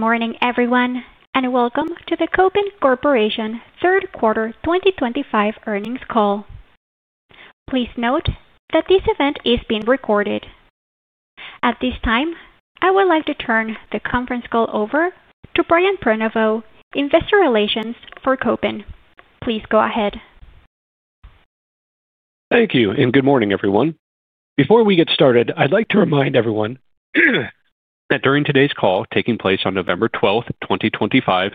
Morning, everyone, and welcome to the Kopin Corporation third 2025 earnings call. Please note that this event is being recorded. At this time, I would like to turn the conference call over to Brian Prenoveau, Investor Relations for Kopin. Please go ahead. Thank you, and good morning, everyone. Before we get started, I'd like to remind everyone that during today's call, taking place on November 12th, 2025,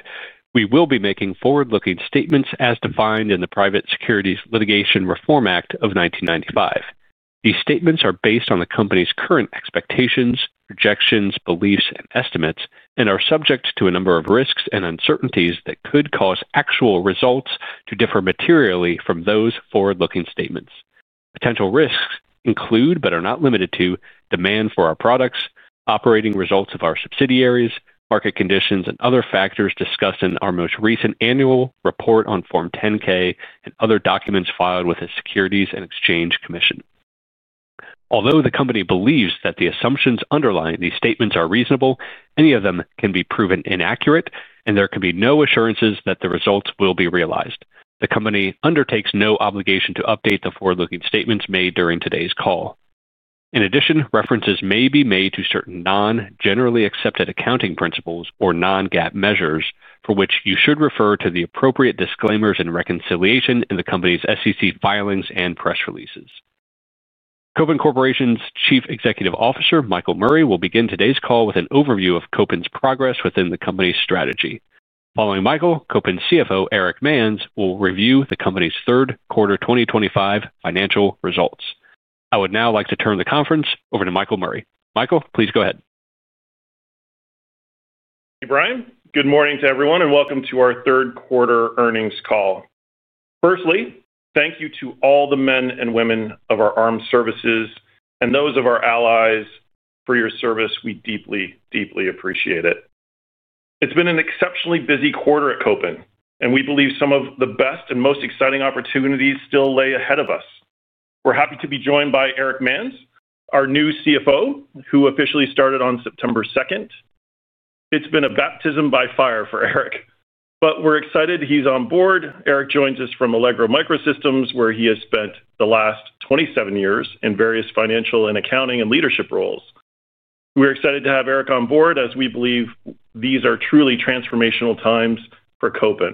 we will be making forward-looking statements as defined in the Private Securities Litigation Reform Act of 1995. These statements are based on the company's current expectations, projections, beliefs, and estimates, and are subject to a number of risks and uncertainties that could cause actual results to differ materially from those forward-looking statements. Potential risks include, but are not limited to, demand for our products, operating results of our subsidiaries, market conditions, and other factors discussed in our most recent annual report on Form 10-K and other documents filed with the Securities and Exchange Commission. Although the company believes that the assumptions underlying these statements are reasonable, any of them can be proven inaccurate, and there can be no assurances that the results will be realized. The company undertakes no obligation to update the forward-looking statements made during today's call. In addition, references may be made to certain non-generally accepted accounting principles or non-GAAP measures for which you should refer to the appropriate disclaimers and reconciliation in the company's SEC filings and press releases. Kopin Corporation's Chief Executive Officer, Michael Murray, will begin today's call with an overview of Kopin's progress within the company's strategy. Following Michael, Kopin's CFO, Erich Manz, will review the company's Q3 2025 financial results. I would now like to turn the conference over to Michael Murray. Michael, please go ahead. Hey, Brian. Good morning to everyone, and welcome to our Q3 earnings call. Firstly, thank you to all the men and women of our armed services and those of our allies for your service. We deeply, deeply appreciate it. It's been an exceptionally busy quarter at Kopin, and we believe some of the best and most exciting opportunities still lay ahead of us. We're happy to be joined by Erich Manz, our new CFO, who officially started on September 2. It's been a baptism by fire for Erich, but we're excited he's on board. Erich joins us from Allegro Microsystems, where he has spent the last 27 years in various financial and accounting and leadership roles. We're excited to have Erich on board as we believe these are truly transformational times for Kopin.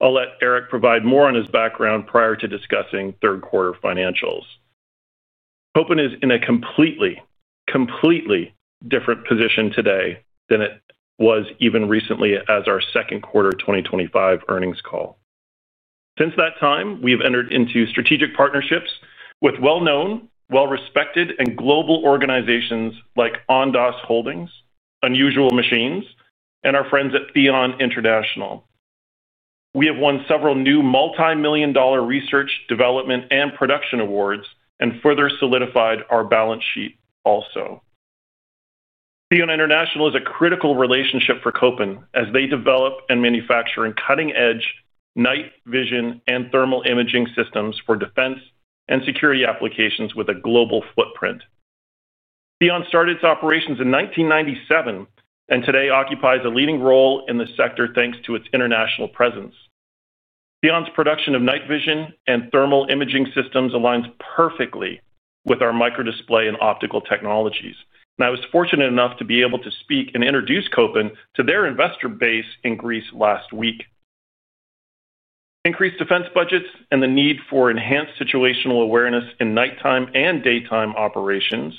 I'll let Erich provide more on his background prior to discussing Q3 financials. Kopin is in a completely, completely different position today than it was even recently as our Q2 2025 earnings call. Since that time, we've entered into strategic partnerships with well-known, well-respected, and global organizations like Ondas Holdings, Unusual Machines, and our friends at Theon International. We have won several new multi-million dollar research, development, and production awards and further solidified our balance sheet also. Theon International is a critical relationship for Kopin as they develop and manufacture cutting-edge night vision and thermal imaging systems for defense and security applications with a global footprint. Theon started its operations in 1997 and today occupies a leading role in the sector thanks to its international presence. Theon's production of night vision and thermal imaging systems aligns perfectly with our microdisplay and optical technologies, and I was fortunate enough to be able to speak and introduce Kopin to their investor base in Greece last week. Increased defense budgets and the need for enhanced situational awareness in nighttime and daytime operations,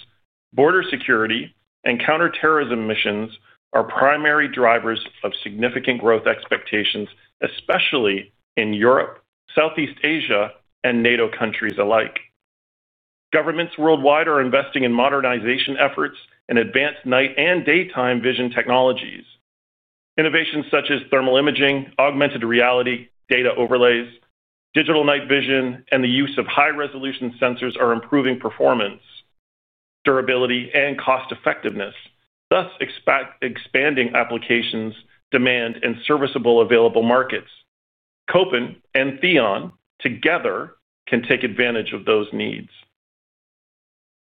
border security, and counterterrorism missions are primary drivers of significant growth expectations, especially in Europe, Southeast Asia, and NATO countries alike. Governments worldwide are investing in modernization efforts and advanced night and daytime vision technologies. Innovations such as thermal imaging, augmented reality, data overlays, digital night vision, and the use of high-resolution sensors are improving performance, durability, and cost-effectiveness, thus expanding applications' demand and serviceable available markets. Kopin and Theon together can take advantage of those needs.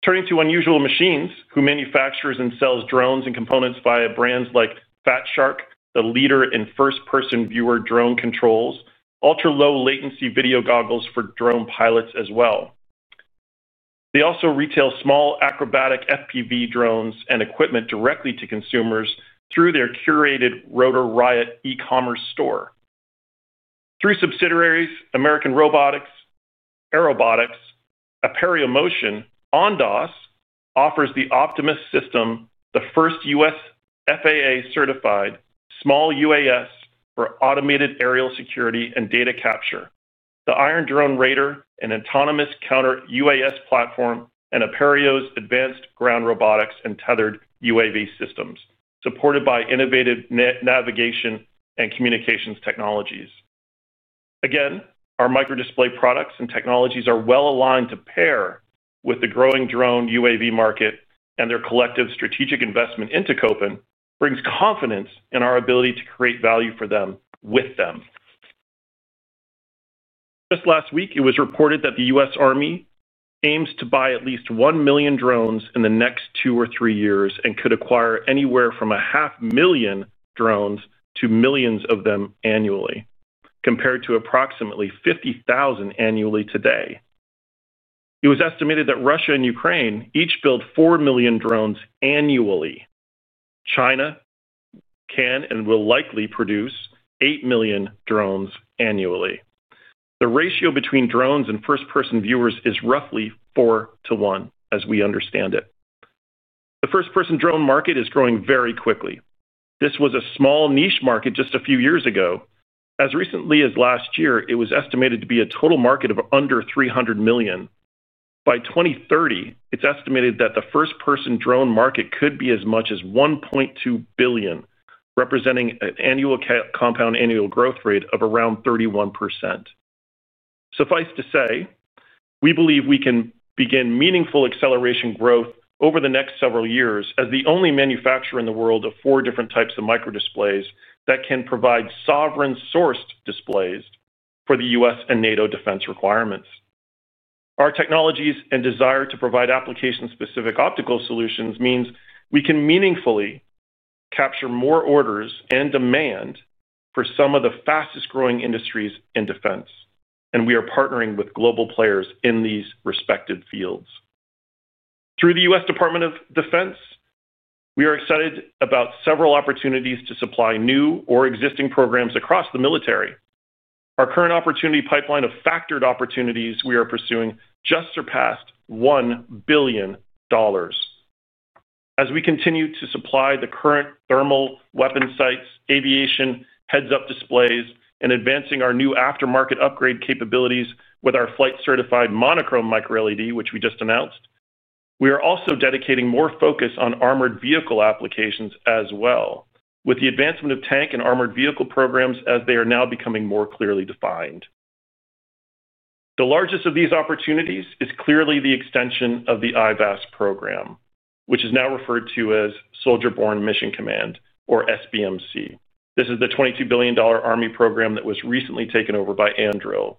Turning to Unusual Machines, who manufactures and sells drones and components via brands like FatShark, the leader in first-person viewer drone controls, ultra-low-latency video goggles for drone pilots as well. They also retail small acrobatic FPV drones and equipment directly to consumers through their curated Rotor Riot e-commerce store. Three subsidiaries, American Robotics, Aerobotics, Aperio Motion, Ondas offers the Optimus system, the first U.S. FAA-certified small UAS for automated aerial security and data capture, the Iron Drone Raider, an autonomous counter-UAS platform, and Aperio's advanced ground robotics and tethered UAV systems, supported by innovative navigation and communications technologies. Again, our micro-display products and technologies are well aligned to pair with the growing drone UAV market, and their collective strategic investment into Kopin brings confidence in our ability to create value for them with them. Just last week, it was reported that the U.S. Army aims to buy at least 1 million drones in the next two or three years and could acquire anywhere from 0.5 million drones to millions of them annually, compared to approximately 50,000 annually today. It was estimated that Russia and Ukraine each build 4 million drones annually. China can and will likely produce 8 million drones annually. The ratio between drones and first-person viewers is roughly 4-1, as we understand it. The first-person drone market is growing very quickly. This was a small niche market just a few years ago. As recently as last year, it was estimated to be a total market of under $300 million. By 2030, it's estimated that the first-person drone market could be as much as $1.2 billion, representing an annual compound annual growth rate of around 31%. Suffice to say, we believe we can begin meaningful acceleration growth over the next several years as the only manufacturer in the world of four different types of microdisplays that can provide sovereign-sourced displays for the U.S. and NATO defense requirements. Our technologies and desire to provide application-specific optical solutions means we can meaningfully capture more orders and demand for some of the fastest-growing industries in defense, and we are partnering with global players in these respected fields. Through the U.S. Department of Defense, we are excited about several opportunities to supply new or existing programs across the military. Our current opportunity pipeline of factored opportunities we are pursuing just surpassed $1 billion. As we continue to supply the current thermal weapon sights, aviation heads-up displays, and advancing our new aftermarket upgrade capabilities with our flight-certified monochrome micro-LED, which we just announced, we are also dedicating more focus on armored vehicle applications as well, with the advancement of tank and armored vehicle programs as they are now becoming more clearly defined. The largest of these opportunities is clearly the extension of the IVAS program, which is now referred to as Soldier-Borne Mission Command, or SBMC. This is the $22 billion Army program that was recently taken over by Anduril.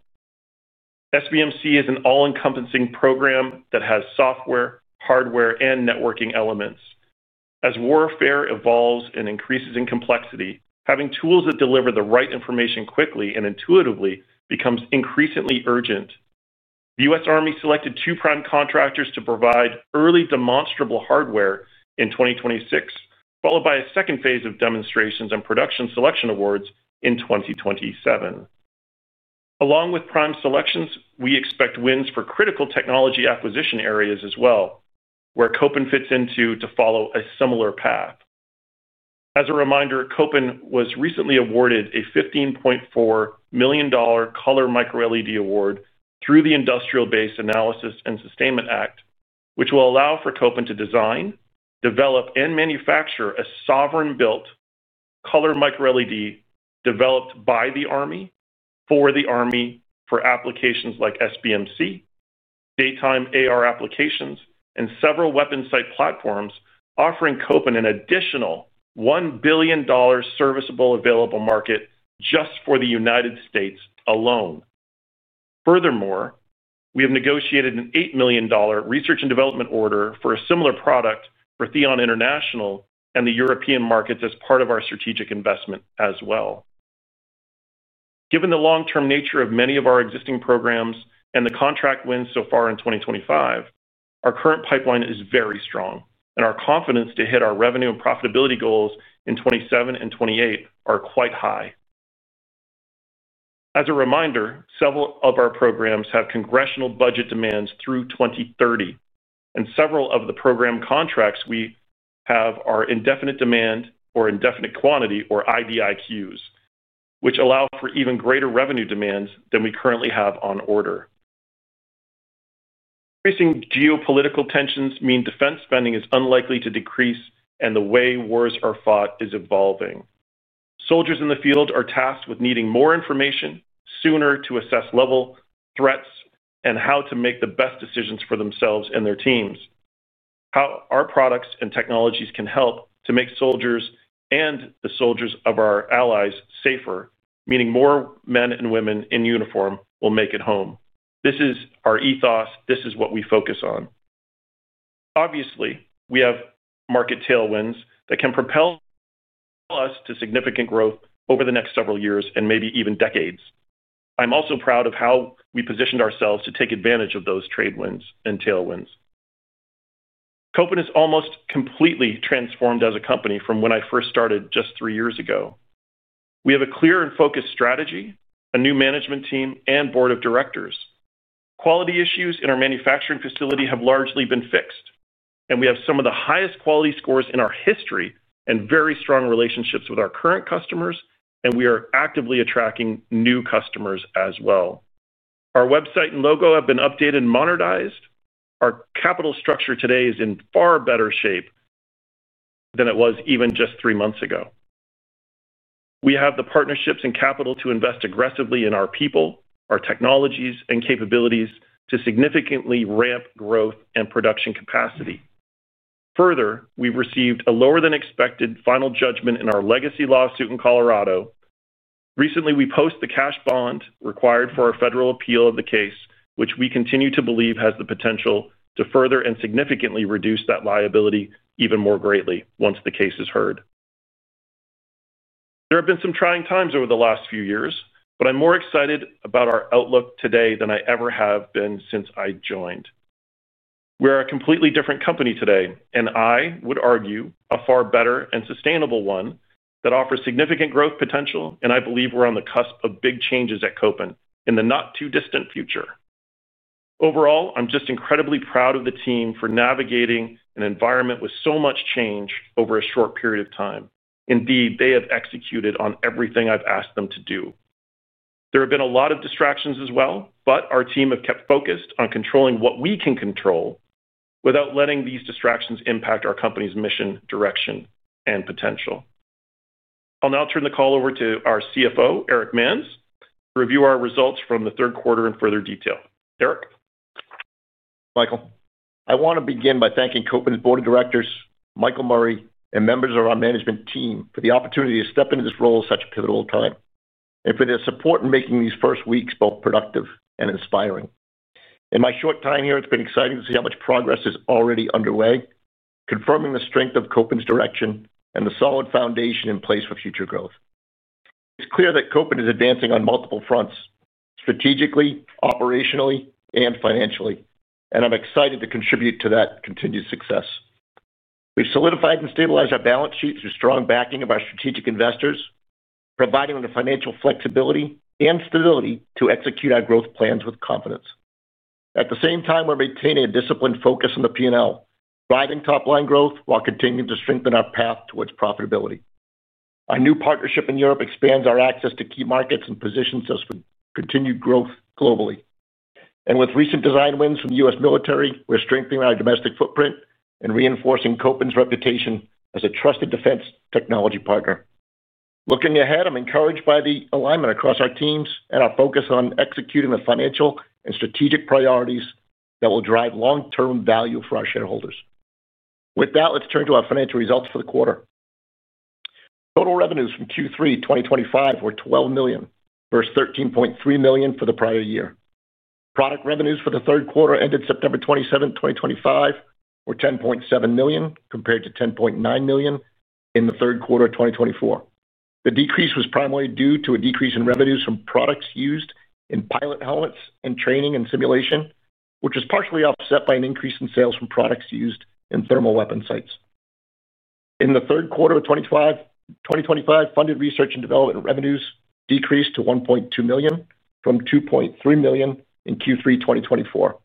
SBMC is an all-encompassing program that has software, hardware, and networking elements. As warfare evolves and increases in complexity, having tools that deliver the right information quickly and intuitively becomes increasingly urgent. The U.S. Army selected two prime contractors to provide early demonstrable hardware in 2026, followed by a second phase of demonstrations and production selection awards in 2027. Along with prime selections, we expect wins for critical technology acquisition areas as well, where Kopin fits into to follow a similar path. As a reminder, Kopin was recently awarded a $15.4 million color micro-LED award through the Industrial Base Analysis and Sustainment Act, which will allow for Kopin to design, develop, and manufacture a sovereign-built color micro-LED developed by the Army, for the Army, for applications like SBMC, daytime AR applications, and several weapon site platforms, offering Kopin an additional $1 billion serviceable available market just for the United States alone. Furthermore, we have negotiated an $8 million research and development order for a similar product for Theon International and the European markets as part of our strategic investment as well. Given the long-term nature of many of our existing programs and the contract wins so far in 2025, our current pipeline is very strong, and our confidence to hit our revenue and profitability goals in 2027 and 2028 are quite high. As a reminder, several of our programs have congressional budget demands through 2030, and several of the program contracts we have are indefinite demand or indefinite quantity or IDIQs, which allow for even greater revenue demands than we currently have on order. Increasing geopolitical tensions mean defense spending is unlikely to decrease, and the way wars are fought is evolving. Soldiers in the field are tasked with needing more information sooner to assess level threats and how to make the best decisions for themselves and their teams, how our products and technologies can help to make soldiers and the soldiers of our allies safer, meaning more men and women in uniform will make it home. This is our ethos. This is what we focus on. Obviously, we have market tailwinds that can propel us to significant growth over the next several years and maybe even decades. I'm also proud of how we positioned ourselves to take advantage of those trade winds and tailwinds. Kopin has almost completely transformed as a company from when I first started just three years ago. We have a clear and focused strategy, a new management team, and board of directors. Quality issues in our manufacturing facility have largely been fixed, and we have some of the highest quality scores in our history and very strong relationships with our current customers, and we are actively attracting new customers as well. Our website and logo have been updated and modernized. Our capital structure today is in far better shape than it was even just three months ago. We have the partnerships and capital to invest aggressively in our people, our technologies, and capabilities to significantly ramp growth and production capacity. Further, we've received a lower-than-expected final judgment in our legacy lawsuit in Colorado. Recently, we posted the cash bond required for our federal appeal of the case, which we continue to believe has the potential to further and significantly reduce that liability even more greatly once the case is heard. There have been some trying times over the last few years, but I'm more excited about our outlook today than I ever have been since I joined. We're a completely different company today, and I would argue a far better and sustainable one that offers significant growth potential, and I believe we're on the cusp of big changes at Kopin in the not-too-distant future. Overall, I'm just incredibly proud of the team for navigating an environment with so much change over a short period of time. Indeed, they have executed on everything I've asked them to do. There have been a lot of distractions as well, but our team has kept focused on controlling what we can control without letting these distractions impact our company's mission, direction, and potential. I'll now turn the call over to our CFO, Erich Manz, to review our results from the third quarter in further detail. Erich? Michael, I want to begin by thanking Kopin's board of directors, Michael Murray, and members of our management team for the opportunity to step into this role at such a pivotal time and for their support in making these first weeks both productive and inspiring. In my short time here, it's been exciting to see how much progress is already underway, confirming the strength of Kopin's direction and the solid foundation in place for future growth. It's clear that Kopin is advancing on multiple fronts: strategically, operationally, and financially, and I'm excited to contribute to that continued success. We've solidified and stabilized our balance sheet through strong backing of our strategic investors, providing us the financial flexibility and stability to execute our growth plans with confidence. At the same time, we're maintaining a disciplined focus on the P&L, driving top-line growth while continuing to strengthen our path towards profitability. Our new partnership in Europe expands our access to key markets and positions us for continued growth globally. With recent design wins from the U.S. military, we're strengthening our domestic footprint and reinforcing Kopin's reputation as a trusted defense technology partner. Looking ahead, I'm encouraged by the alignment across our teams and our focus on executing the financial and strategic priorities that will drive long-term value for our shareholders. With that, let's turn to our financial results for the quarter. Total revenues from Q3 2025 were $12 million, versus $13.3 million for the prior year. Product revenues for the third quarter ended September 27, 2025, were $10.7 million, compared to $10.9 million in the third quarter of 2024. The decrease was primarily due to a decrease in revenues from products used in pilot helmets and training and simulation, which was partially offset by an increase in sales from products used in thermal weapon sights. In the third quarter of 2025, funded research and development revenues decreased to $1.2 million, from $2.3 million in Q3 2024,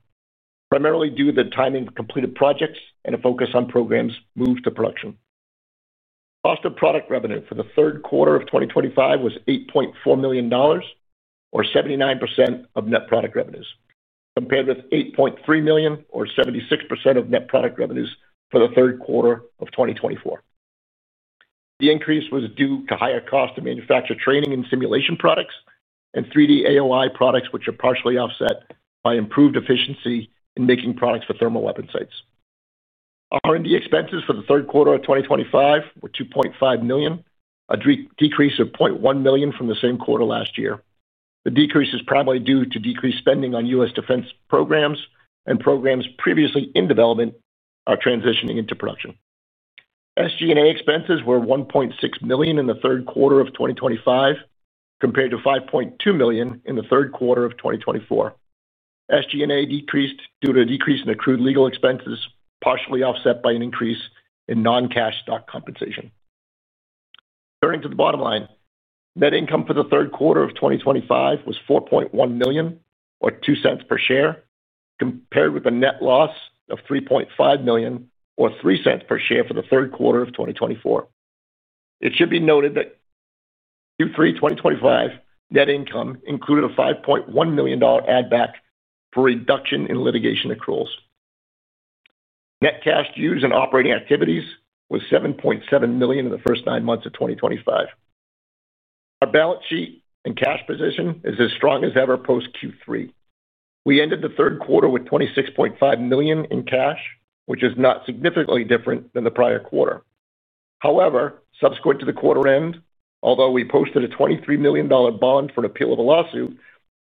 primarily due to the timing of completed projects and a focus on programs moved to production. Cost of product revenue for the third quarter of 2025 was $8.4 million, or 79% of net product revenues, compared with $8.3 million, or 76% of net product revenues for the third quarter of 2024. The increase was due to higher costs to manufacture training and simulation products and 3D AOI products, which are partially offset by improved efficiency in making products for thermal weapon sights. R&D expenses for the third quarter of 2025 were $2.5 million, a decrease of $0.1 million from the same quarter last year. The decrease is primarily due to decreased spending on U.S. defense programs and programs previously in development are transitioning into production. SG&A expenses were $1.6 million in the third quarter of 2025, compared to $5.2 million in the third quarter of 2024. SG&A decreased due to a decrease in accrued legal expenses, partially offset by an increase in non-cash stock compensation. Turning to the bottom line, net income for the third quarter of 2025 was $4.1 million, or $0.02 per share, compared with a net loss of $3.5 million, or $0.03 per share for the third quarter of 2024. It should be noted that Q3 2025 net income included a $5.1 million add-back for reduction in litigation accruals. Net cash used in operating activities was $7.7 million in the first nine months of 2025. Our balance sheet and cash position is as strong as ever post Q3. We ended the third quarter with $26.5 million in cash, which is not significantly different than the prior quarter. However, subsequent to the quarter end, although we posted a $23 million bond for an appeal of a lawsuit,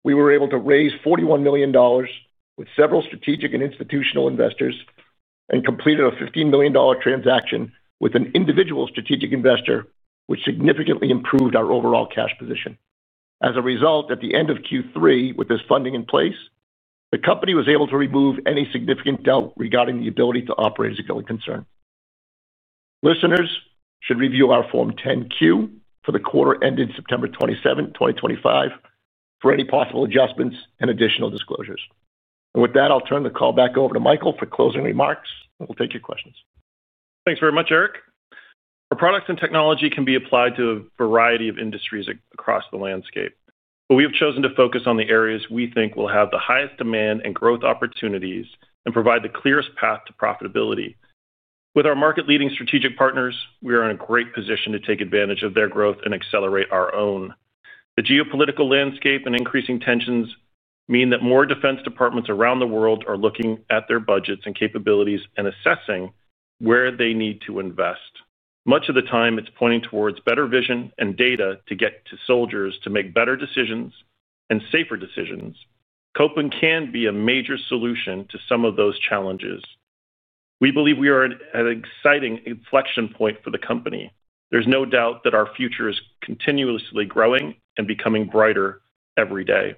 we were able to raise $41 million with several strategic and institutional investors and completed a $15 million transaction with an individual strategic investor, which significantly improved our overall cash position. As a result, at the end of Q3, with this funding in place, the company was able to remove any significant doubt regarding the ability to operate as a concern. Listeners should review our Form 10-Q for the quarter ended September 27th, 2025, for any possible adjustments and additional disclosures. With that, I'll turn the call back over to Michael for closing remarks, and we'll take your questions. Thanks very much, Erich. Our products and technology can be applied to a variety of industries across the landscape, but we have chosen to focus on the areas we think will have the highest demand and growth opportunities and provide the clearest path to profitability. With our market-leading strategic partners, we are in a great position to take advantage of their growth and accelerate our own. The geopolitical landscape and increasing tensions mean that more defense departments around the world are looking at their budgets and capabilities and assessing where they need to invest. Much of the time, it's pointing towards better vision and data to get to soldiers to make better decisions and safer decisions. Kopin can be a major solution to some of those challenges. We believe we are at an exciting inflection point for the company. There is no doubt that our future is continuously growing and becoming brighter every day.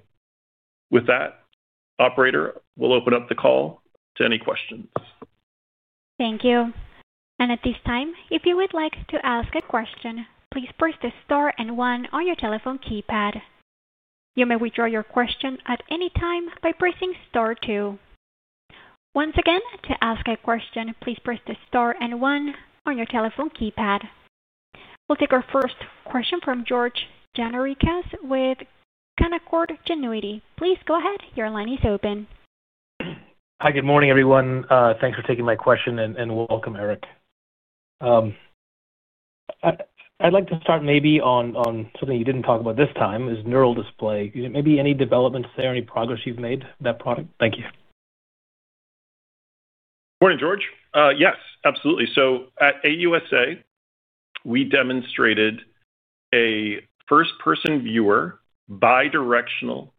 With that, Operator, we will open up the call to any questions. Thank you. At this time, if you would like to ask a question, please press the star and one on your telephone keypad. You may withdraw your question at any time by pressing star two. Once again, to ask a question, please press the star and one on your telephone keypad. We will take our first question from George Gianarikas with Canaccord Genuity. Please go ahead. Your line is open. Hi, good morning, everyone. Thanks for taking my question and welcome, Erich. I would like to start maybe on something you did not talk about this time, is neural display. Maybe any developments there, any progress you have made with that product? Thank you. Morning, George. Yes, absolutely. At AUSA, we demonstrated a first-person viewer, bidirectional,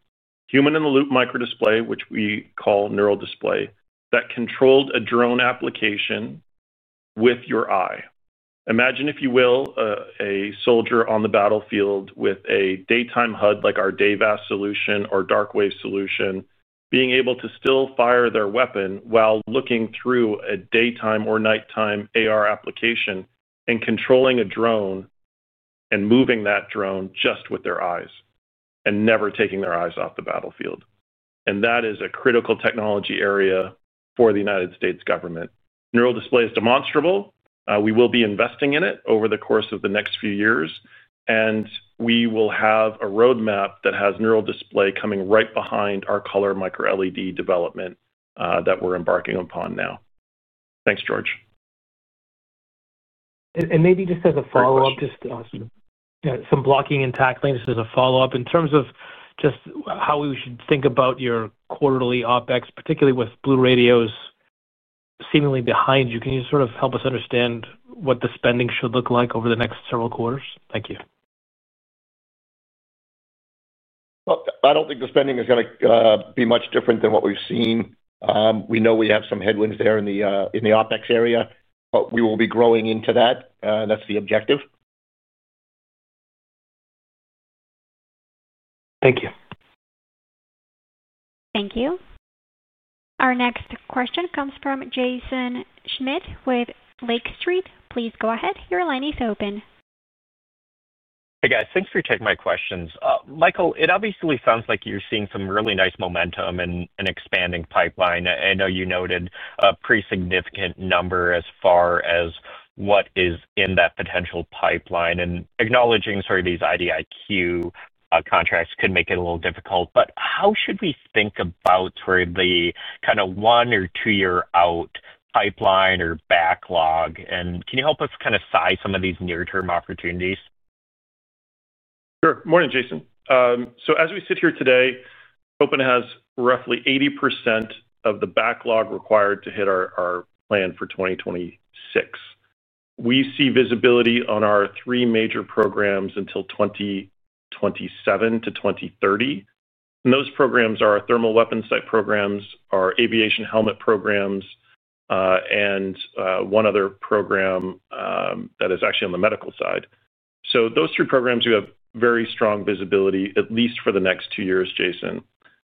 human-in-the-loop microdisplay, which we call neural display, that controlled a drone application with your eye. Imagine, if you will, a soldier on the battlefield with a daytime HUD like our DAVAS solution or DarkWAVE solution, being able to still fire their weapon while looking through a daytime or nighttime AR application and controlling a drone and moving that drone just with their eyes and never taking their eyes off the battlefield. That is a critical technology area for the U.S. government. Neural display is demonstrable. We will be investing in it over the course of the next few years, and we will have a roadmap that has neural display coming right behind our color micro-LED development that we're embarking upon now. Thanks, George. Maybe just as a follow-up, just some blocking and tackling, just as a follow-up, in terms of just how we should think about your quarterly OpEx, particularly with Blue Radio's seemingly behind you, can you sort of help us understand what the spending should look like over the next several quarters? Thank you. I do not think the spending is going to be much different than what we have seen. We know we have some headwinds there in the OpEx area, but we will be growing into that. That is the objective. Thank you. Thank you. Our next question comes from Jaeson Schmidtwith Lake Street. Please go ahead. Your line is open. Hey, guys, thanks for taking my questions. Michael, it obviously sounds like you are seeing some really nice momentum and an expanding pipeline. I know you noted a pretty significant number as far as what is in that potential pipeline. And acknowledging sort of these IDIQ contracts could make it a little difficult. How should we think about sort of the kind of one or two-year-out pipeline or backlog? Can you help us kind of size some of these near-term opportunities? Sure. Morning, Jaeson. As we sit here today, Kopin has roughly 80% of the backlog required to hit our plan for 2026. We see visibility on our three major programs until 2027 to 2030. Those programs are our thermal weapon site programs, our aviation helmet programs, and one other program that is actually on the medical side. Those three programs we have very strong visibility, at least for the next two years, Jaeson.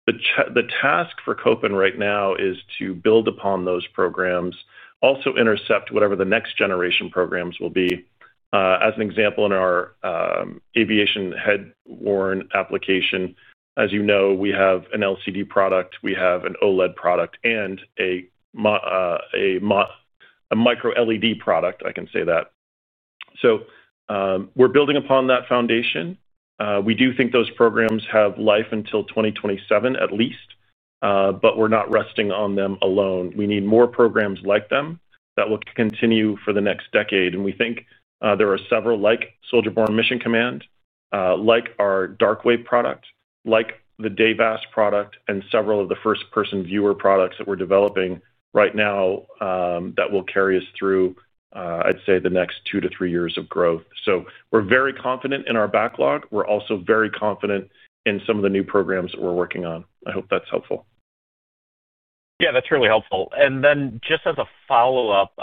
The task for Kopin right now is to build upon those programs, also intercept whatever the next generation programs will be. As an example, in our aviation headworn application, as you know, we have an LCD product, we have an OLED product, and a micro-LED product, I can say that. So we're building upon that foundation. We do think those programs have life until 2027, at least, but we're not resting on them alone. We need more programs like them that will continue for the next decade. We think there are several like Soldier-Borne Mission Command, like our DarkWAVE product, like the DayVAS product, and several of the first-person viewer products that we're developing right now that will carry us through, I'd say, the next two to three years of growth. We're very confident in our backlog. We're also very confident in some of the new programs that we're working on. I hope that's helpful. Yeah, that's really helpful. Just as a follow-up,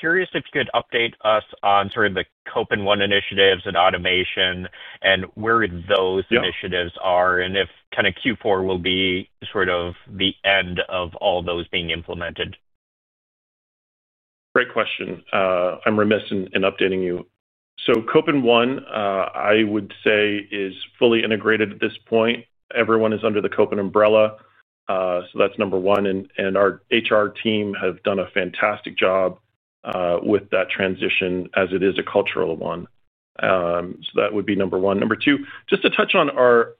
curious if you could update us on sort of the Kopin One initiatives and automation and where those initiatives are and if kind of Q4 will be sort of the end of all those being implemented. Great question. I'm remiss in updating you. Kopin One, I would say, is fully integrated at this point. Everyone is under the Kopin umbrella. That's number one. Our HR team have done a fantastic job with that transition as it is a cultural one. That would be number one. Number two, just to touch on our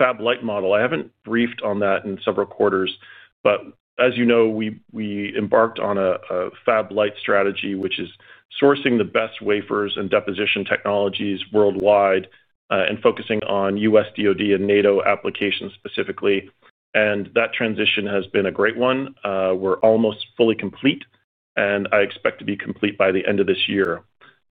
FabLite model, I haven't briefed on that in several quarters, but as you know, we embarked on a FabLite strategy, which is sourcing the best wafers and deposition technologies worldwide and focusing on U.S. DOD and NATO applications specifically. That transition has been a great one. We're almost fully complete, and I expect to be complete by the end of this year.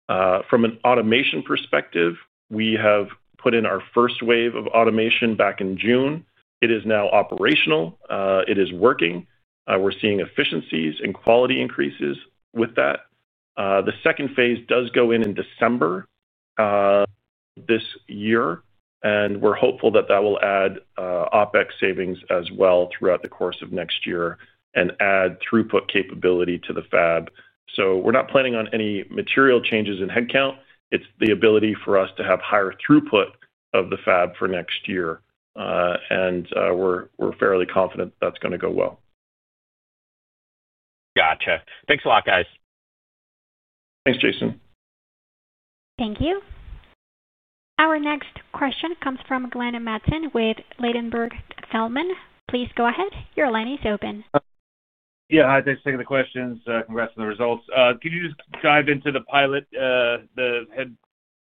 From an automation perspective, we have put in our first wave of automation back in June. It is now operational. It is working. We're seeing efficiencies and quality increases with that. The second phase does go in in December this year, and we're hopeful that that will add OpEx savings as well throughout the course of next year and add throughput capability to the Fab. We're not planning on any material changes in headcount. It's the ability for us to have higher throughput of the Fab for next year. And we're fairly confident that's going to go well. Gotcha. Thanks a lot, guys. Thanks, Jaeson. Thank you. Our next question comes from Glenn Mattson with Ladenburg Thalmann. Please go ahead. Your line is open. Yeah, hi, thanks for taking the questions. Congrats on the results. Could you just dive into the pilot, the head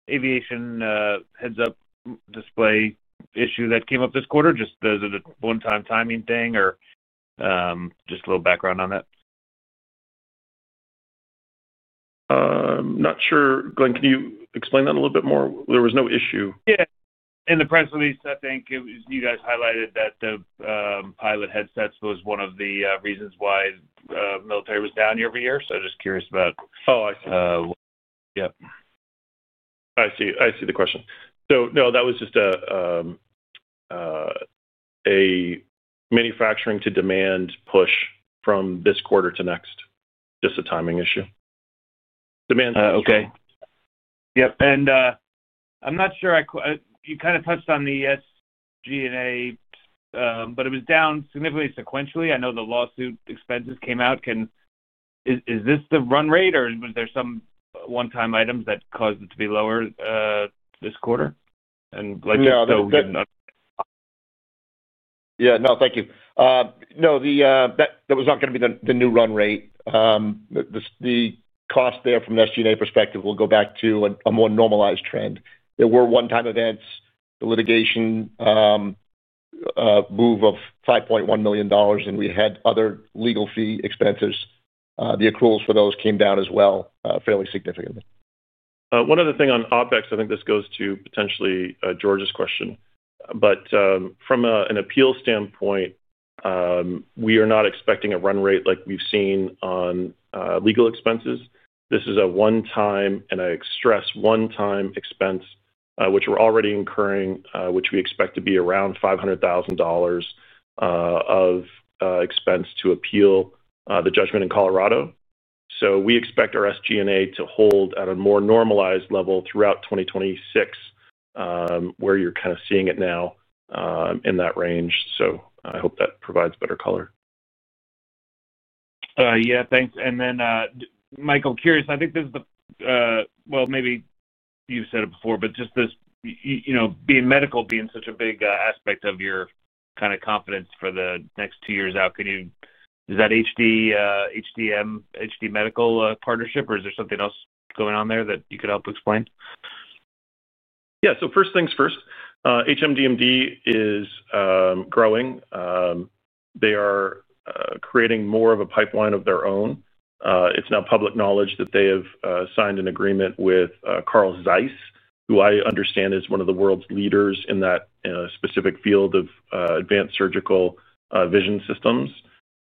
aviation heads-up display issue that came up this quarter? Just as a one-time timing thing or just a little background on that? I'm not sure. Glenn, can you explain that a little bit more? There was no issue. Yeah. In the press release, I think you guys highlighted that the pilot headsets was one of the reasons why the military was down year-over-year. So I'm just curious about. Oh, I see. Yep. I see. I see the question. No, that was just a manufacturing-to-demand push from this quarter to next. Just a timing issue. Demand. Okay. Yep. I'm not sure, you kind of touched on the SG&A, but it was down significantly sequentially. I know the lawsuit expenses came out. Is this the run rate, or was there some one-time items that caused it to be lower this quarter? Like I said, we didn't know. Yeah, no, thank you. No, that was not going to be the new run rate. The cost there from the SG&A perspective will go back to a more normalized trend. There were one-time events, the litigation move of $5.1 million, and we had other legal fee expenses. The accruals for those came down as well, fairly significantly. One other thing on OpEx, I think this goes to potentially George's question, but from an appeal standpoint, we are not expecting a run rate like we've seen on legal expenses. This is a one-time, and I stress, one-time expense, which we're already incurring, which we expect to be around $500,000 of expense to appeal the judgment in Colorado. We expect our SG&A to hold at a more normalized level throughout 2026, where you're kind of seeing it now in that range. I hope that provides better color. Yeah, thanks. Michael, curious, I think this is the, well, maybe you've said it before, but just this being medical, being such a big aspect of your kind of confidence for the next two years out, can you, is that HDM, HD Medical partnership, or is there something else going on there that you could help explain? Yeah, so first things first. HMDMD is growing. They are creating more of a pipeline of their own. It is now public knowledge that they have signed an agreement with Carl Zeiss, who I understand is one of the world's leaders in that specific field of advanced surgical vision systems.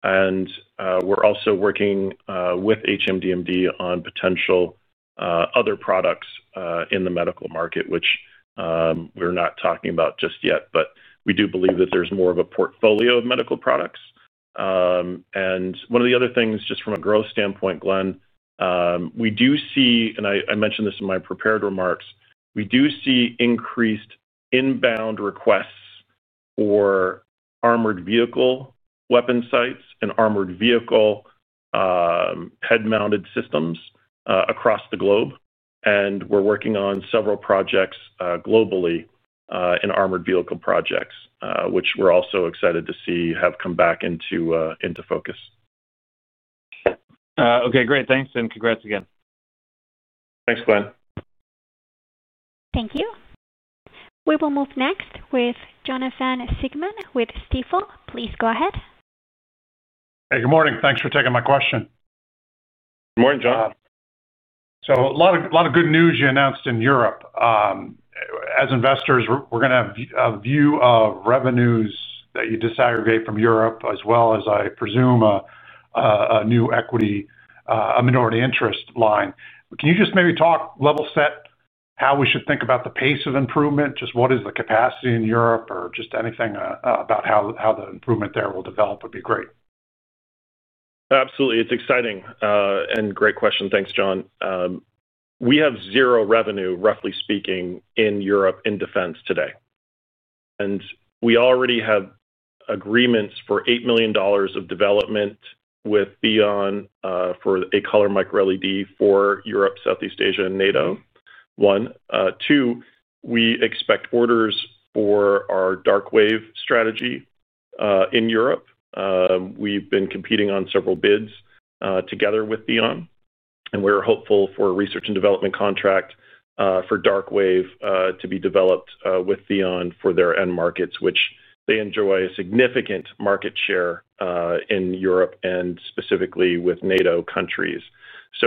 We are also working with HMDMD on potential other products in the medical market, which we are not talking about just yet, but we do believe that there is more of a portfolio of medical products. One of the other things, just from a growth standpoint, Glenn, we do see, and I mentioned this in my prepared remarks, we do see increased inbound requests for armored vehicle weapon sites and armored vehicle head-mounted systems across the globe. We are working on several projects globally in armored vehicle projects, which we are also excited to see have come back into focus. Okay, great. Thanks, and congrats again. Thanks, Glenn. Thank you. We will move next with Jonathan Siegmann with Stifel. Please go ahead. Hey, good morning. Thanks for taking my question. Good morning, Jon. A lot of good news you announced in Europe. As investors, we're going to have a view of revenues that you disaggregate from Europe, as well as, I presume, a new equity, a minority interest line. Can you just maybe talk, level set, how we should think about the pace of improvement? Just what is the capacity in Europe, or just anything about how the improvement there will develop would be great. Absolutely. It's exciting and great question. Thanks, Jon. We have zero revenue, roughly speaking, in Europe in defense today. And we already have agreements for $8 million of development with Theon for a color micro-LED for Europe, Southeast Asia, and NATO. Two, we expect orders for our DarkWAVE strategy in Europe. We've been competing on several bids together with Theon, and we're hopeful for a research and development contract for DarkWAVE to be developed with Theon for their end markets, which they enjoy a significant market share in Europe and specifically with NATO countries.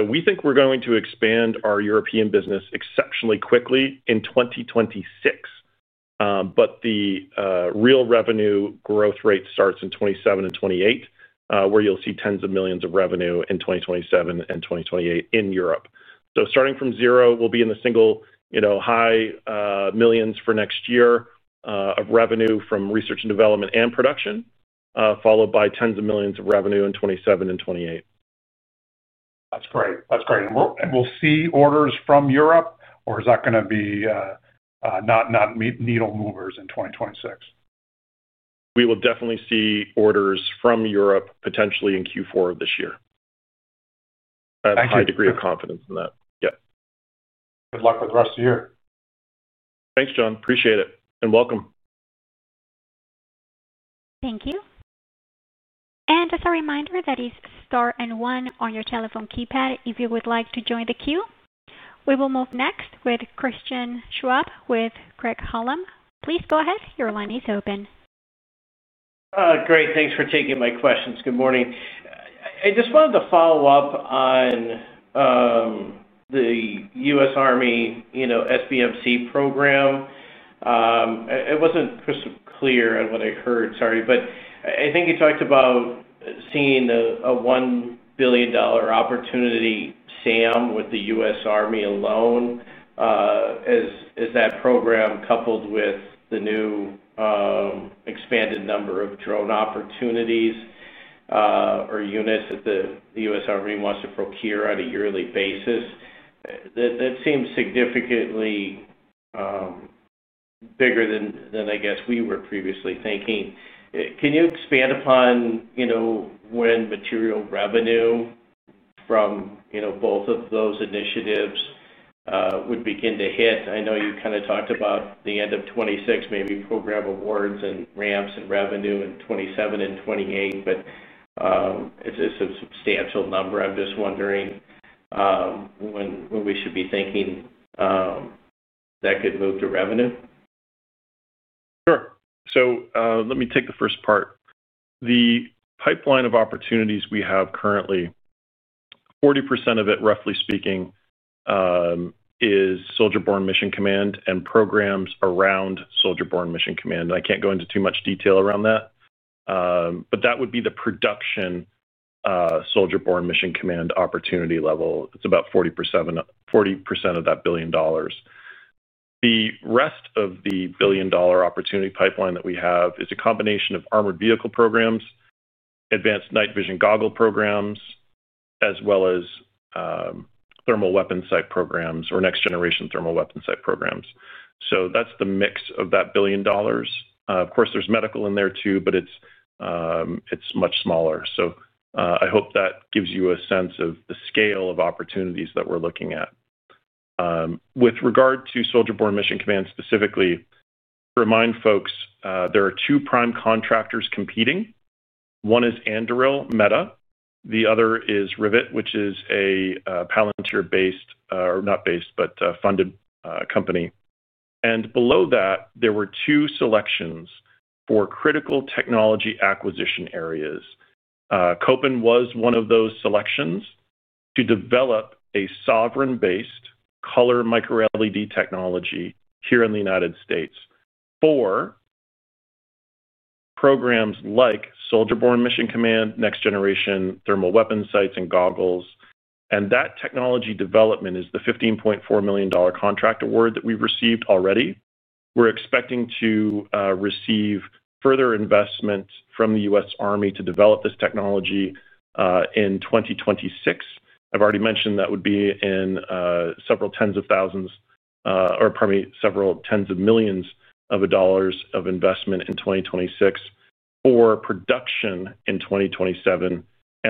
We think we're going to expand our European business exceptionally quickly in 2026, but the real revenue growth rate starts in 2027 and 2028, where you'll see tens of millions of revenue in 2027 and 2028 in Europe. Starting from zero, we'll be in the single high millions for next year of revenue from research and development and production, followed by tens of millions of revenue in 2027 and 2028. That's great. That's great. We'll see orders from Europe, or is that going to be not needle movers in 2026? We will definitely see orders from Europe potentially in Q4 of this year. I have a degree of confidence in that. Yeah. Good luck with the rest of the year. Thanks, Jon. Appreciate it. And welcome. Thank you. As a reminder, that is star and one on your telephone keypad if you would like to join the queue. We will move next with Christian Schwab with Craig-Hallum. Please go ahead. Your line is open. Great. Thanks for taking my questions. Good morning. I just wanted to follow up on the U.S. Army SBMC program. I was not clear on what I heard, sorry, but I think you talked about seeing a $1 billion opportunity, Sam, with the U.S. Army alone, as that program coupled with the new expanded number of drone opportunities or units that the U.S. Army wants to procure on a yearly basis. That seems significantly bigger than I guess we were previously thinking. Can you expand upon when material revenue from both of those initiatives would begin to hit? I know you kind of talked about the end of 2026, maybe program awards and ramps in revenue in 2027 and 2028, but it's a substantial number. I'm just wondering when we should be thinking that could move to revenue. Sure. Let me take the first part. The pipeline of opportunities we have currently, 40% of it, roughly speaking, is Soldier-Borne Mission Command and programs around Soldier-Borne Mission Command. I can't go into too much detail around that, but that would be the production Soldier-Borne Mission Command opportunity level. It's about 40% of that billion dollars. The rest of the billion-dollar opportunity pipeline that we have is a combination of armored vehicle programs, advanced night vision goggle programs, as well as thermal weapon site programs or next-generation thermal weapon site programs. That is the mix of that billion dollars. Of course, there is medical in there too, but it is much smaller. I hope that gives you a sense of the scale of opportunities that we are looking at. With regard to Soldier-Borne Mission Command specifically, remind folks, there are two prime contractors competing. One is Anduril Meta. The other is Rivet, which is a Palantir-funded company. Below that, there were two selections for critical technology acquisition areas. Kopin was one of those selections to develop a sovereign-based color micro-LED technology here in the United States for programs like Soldier-Borne Mission Command, next-generation thermal weapon sites and goggles. That technology development is the $15.4 million contract award that we've received already. We're expecting to receive further investment from the U.S. Army to develop this technology in 2026. I've already mentioned that would be in several tens of millions of dollars of investment in 2026 for production in 2027.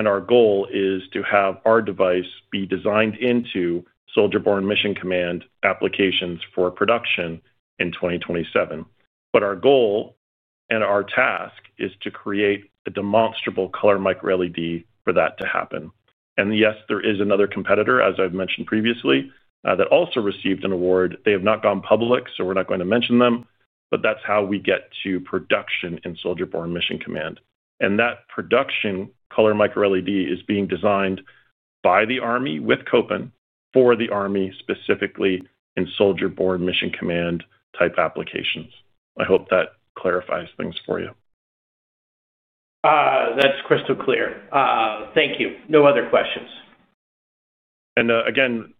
Our goal is to have our device be designed into Soldier-Borne Mission Command applications for production in 2027. Our goal and our task is to create a demonstrable color micro-LED for that to happen. Yes, there is another competitor, as I've mentioned previously, that also received an award. They have not gone public, so we're not going to mention them, but that's how we get to production in Soldier-Borne Mission Command. That production color micro-LED is being designed by the Army with Kopin for the Army specifically in Soldier-Borne Mission Command type applications. I hope that clarifies things for you. That is crystal clear. Thank you. No other questions. Again,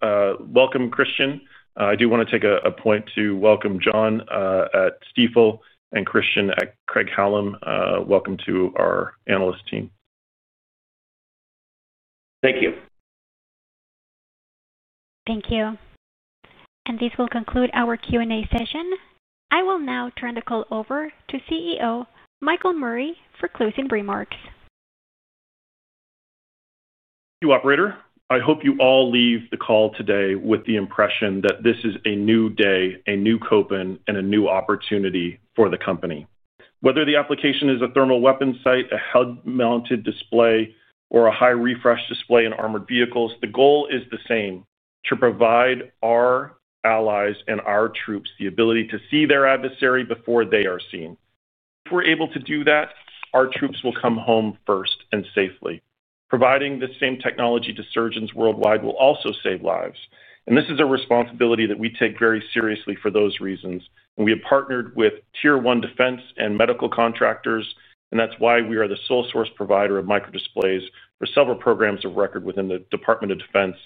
welcome, Christian. I do want to take a point to welcome Jon at Stifel and Christian at Craig-Hallum. Welcome to our analyst team. Thank you. Thank you. This will conclude our Q&A session. I will now turn the call over to CEO Michael Murray for closing remarks. Thank you, Operator. I hope you all leave the call today with the impression that this is a new day, a new Kopin, and a new opportunity for the company. Whether the application is a thermal weapon sight, a head-mounted display, or a high refresh display in armored vehicles, the goal is the same: to provide our allies and our troops the ability to see their adversary before they are seen. If we're able to do that, our troops will come home first and safely. Providing the same technology to surgeons worldwide will also save lives. This is a responsibility that we take very seriously for those reasons. We have partnered with tier-one defense and medical contractors, and that is why we are the sole source provider of microdisplays for several programs of record within the U.S. Department of Defense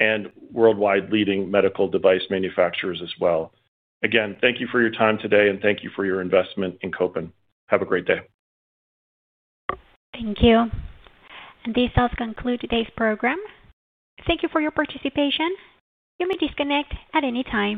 and worldwide leading medical device manufacturers as well. Again, thank you for your time today, and thank you for your investment in Kopin. Have a great day. Thank you. This does conclude today's program. Thank you for your participation. You may disconnect at any time.